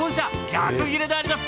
逆切れであります。